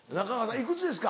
いくつですか？